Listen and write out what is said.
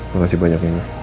makasih banyak ini